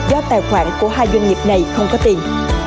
do tài khoản của hai doanh nghiệp này không có tiền